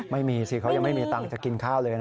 ไม่มีสิเขายังไม่มีตังค์จะกินข้าวเลยนะ